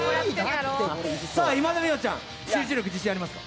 さあ、今田美桜ちゃん、集中力、自信ありますか？